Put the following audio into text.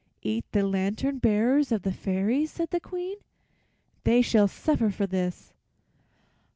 "Eat the lantern bearers of the fairies!" said the Queen. "They shall suffer for this."